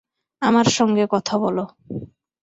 আমার সঙ্গে কথা বলো।